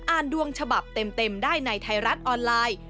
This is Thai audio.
ดวงฉบับเต็มได้ในไทยรัฐออนไลน์